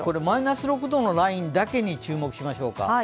マイナス６度のラインだけに注目しましょうか。